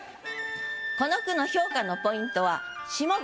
この句の評価のポイントは下五。